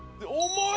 重い！